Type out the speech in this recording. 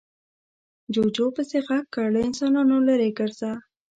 جوجو پسې غږ کړ، له انسانانو ليرې ګرځه.